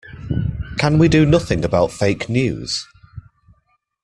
Can we do nothing about fake news?